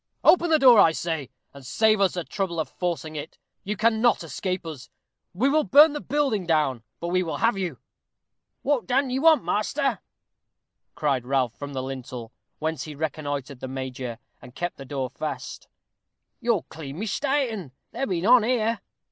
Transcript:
Open the door, I say, and save us the trouble of forcing it. You cannot escape us. We will burn the building down but we will have you." "What dun you want, measter?" cried Ralph, from the lintel, whence he reconnoitered the major, and kept the door fast. "You're clean mista'en. There be none here."